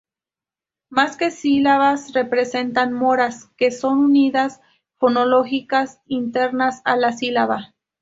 Más que sílabas, representan "moras", que son unidades fonológicas internas a la sílaba.